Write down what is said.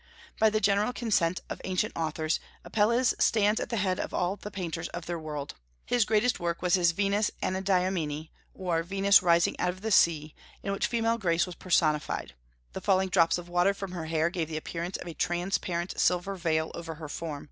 By the general consent of ancient authors, Apelles stands at the head of all the painters of their world. His greatest work was his Venus Anadyomene, or Venus rising out of the sea, in which female grace was personified; the falling drops of water from her hair gave the appearance of a transparent silver veil over her form.